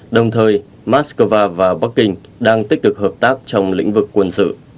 đồng thời moscow và bắc kinh đang tích cực hợp tác trong lĩnh vực quân sự